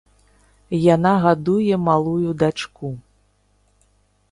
Яна гадуе малую дачку.